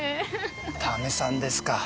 タメさんですか。